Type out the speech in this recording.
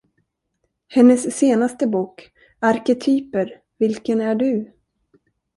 Hennes senaste bok Arketyper: Vilken är du?